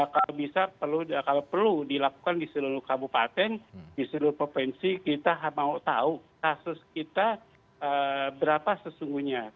kalau bisa kalau perlu dilakukan di seluruh kabupaten di seluruh provinsi kita mau tahu kasus kita berapa sesungguhnya